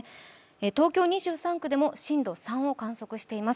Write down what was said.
東京２３区でも震度３を観測しています。